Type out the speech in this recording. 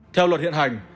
theo luật hiện hành